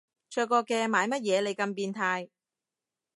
着過嘅買乜嘢你咁變態